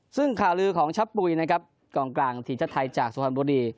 ซึ่งข่าวลื้อของชะปุ๋ยนะครับกล่องกลางถีชทัยจากสุภัณฑ์บุรี